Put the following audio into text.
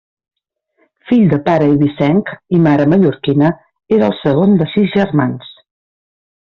Fill de pare eivissenc i mare mallorquina, era el segon de sis germans.